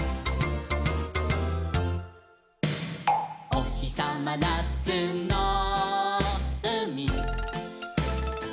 「おひさまなつのうみ」